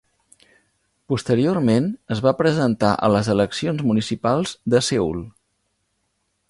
Posteriorment, es va presentar a les eleccions municipals de Seül.